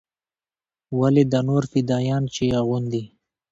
ولې دا نور فدايان چې يې اغوندي.